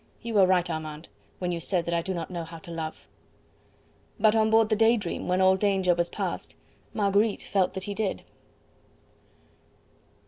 You were right, Armand, when you said that I do not know how to love!" But on board the Day Dream, when all danger was past, Marguerite felt that he did.